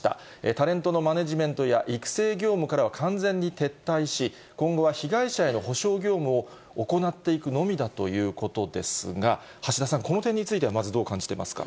タレントのマネジメントや育成業務からは完全に撤退し、今後は被害者への補償業務を行っていくのみだということですが、橋田さん、この点については、まずどう感じてますか。